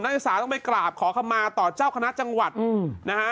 ศึกษาต้องไปกราบขอคำมาต่อเจ้าคณะจังหวัดนะฮะ